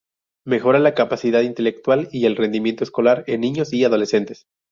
Mejora la capacidad intelectual y el rendimiento escolar en niños y adolescentes.